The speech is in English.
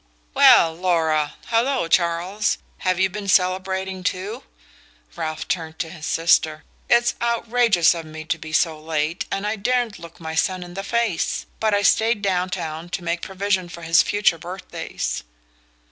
"Well, Laura! Hallo, Charles have you been celebrating too?" Ralph turned to his sister. "It's outrageous of me to be so late, and I daren't look my son in the face! But I stayed down town to make provision for his future birthdays."